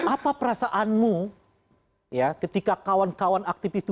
apa perasaanmu ya ketika kawan kawan aktivis itu